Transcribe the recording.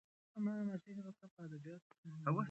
هغه مهال حماسي سبک په ادبیاتو کې کم و.